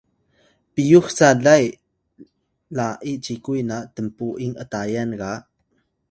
piyux calay la’i cikuy na tnpu’ing atayan ga